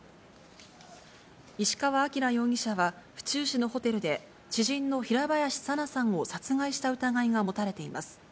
石川晃容疑者は府中市のホテルで、知人の平林さなさんを殺害した疑いが持たれています。